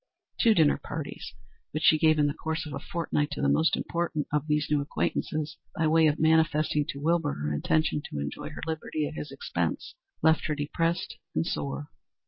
Two dinner parties, which she gave in the course of a fortnight to the most important of these new acquaintances, by way of manifesting to Wilbur her intention to enjoy her liberty at his expense, left her depressed and sore.